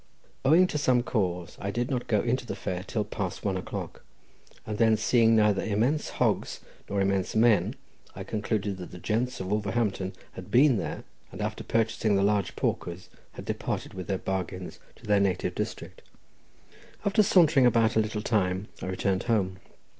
Owing to some cause, I did not go into the fair till past one o'clock, and then, seeing neither immense hogs nor immense men, I concluded that the gents of Wolverhampton had been there, and after purchasing the larger porkers, had departed with their bargains to their native district. After sauntering about a little time, I returned home.